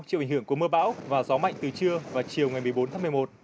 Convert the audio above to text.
chịu ảnh hưởng của mưa bão và gió mạnh từ trưa và chiều ngày một mươi bốn tháng một mươi một